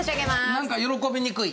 なんか喜びにくい。